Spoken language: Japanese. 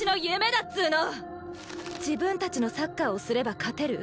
自分たちのサッカーをすれば勝てる？